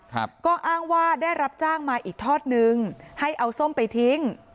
ครับก็อ้างว่าได้รับจ้างมาอีกทอดนึงให้เอาส้มไปทิ้ง